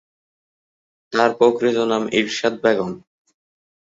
তার প্রকৃত নাম ইরশাদ বেগম।